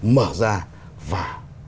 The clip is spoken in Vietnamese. mở ra và